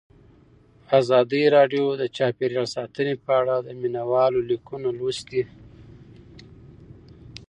ازادي راډیو د چاپیریال ساتنه په اړه د مینه والو لیکونه لوستي.